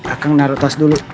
akang naruh tas dulu